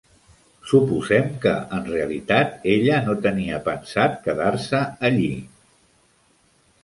Suposem que, en realitat, ella no tenia pensat quedar-se allí!